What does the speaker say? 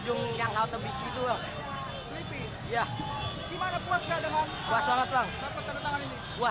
yang membawa bunga hingga ke ruas jalan jenderal sudirman demi mendapatkan tanda tangan yang terakhir di kawasan senayan hingga ke ruas jalan u dua puluh dua